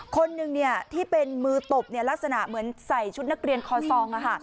คนหนึ่งที่เป็นมือตบลักษณะเหมือนใส่ชุดนักเรียนคอซอง